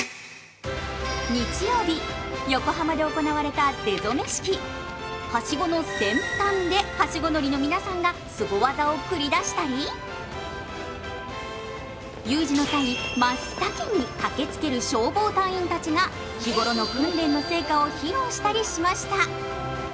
今後の目標ははしごの先端で、はしご乗りの皆さんがすご技を繰り出したり、有事の際に真っ先に駆けつける消防隊員たちが日頃の訓練の成果を披露したりしました。